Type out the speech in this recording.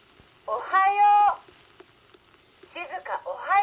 静おはよう！